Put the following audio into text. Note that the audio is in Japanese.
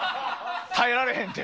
耐えられへんって。